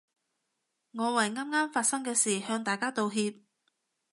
我為啱啱發生嘅事向大家道歉